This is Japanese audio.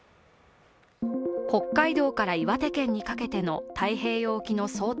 北海道から岩手県にかけての太平洋沖の想定